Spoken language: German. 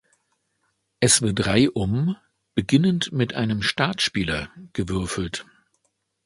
Es wird reihum beginnend mit einem Startspieler gewürfelt.